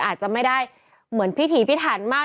อาจจะไม่ได้เหมือนพิถีพิถันมาก